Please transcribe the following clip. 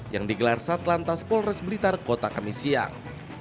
yang digelar saat lantas polres blitar kota kami siang